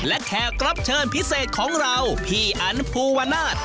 และแขกรับเชิญพิเศษของเราพี่อันภูวนาศ